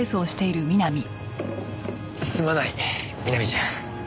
すまない美波ちゃん。